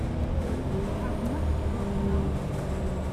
Have mumps broken out?